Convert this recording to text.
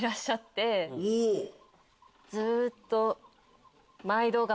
ずっと。